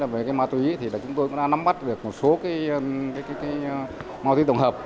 với cái ma túy thì chúng tôi đã nắm bắt được một số cái ma túy tổng hợp